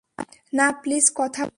না, প্লিজ কথা বলুন।